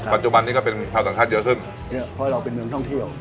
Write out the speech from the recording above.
ปัจจุบันนี้ก็เป็นชาวต่างชาติเยอะขึ้นเยอะเพราะเราเป็นเมืองท่องเที่ยว